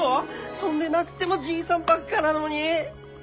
そんでなくてもじいさんばっかなのに！